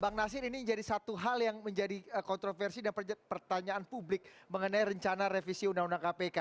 bang nasir ini menjadi satu hal yang menjadi kontroversi dan pertanyaan publik mengenai rencana revisi undang undang kpk